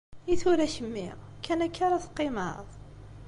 I tura kemmi, kan akka ara teqqimeḍ?